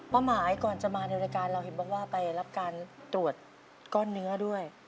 หมายก่อนจะมาในรายการเราเห็นบอกว่าไปรับการตรวจก้อนเนื้อด้วย